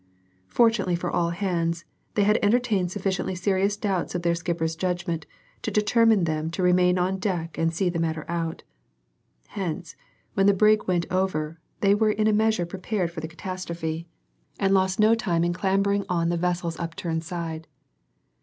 Fortunately for all hands, they had entertained sufficiently serious doubts of their skipper's judgment to determine them to remain on deck and see the matter out; hence, when the brig went over, they were in a measure prepared for the catastrophe, and lost no time in clambering on to the vessel's upturned side.